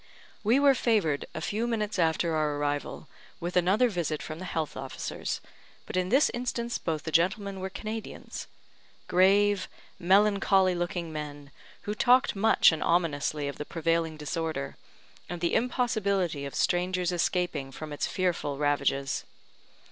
We were favoured, a few minutes after our arrival, with another visit from the health officers; but in this instance both the gentlemen were Canadians. Grave, melancholy looking men, who talked much and ominously of the prevailing disorder, and the impossibility of strangers escaping from its fearful ravages.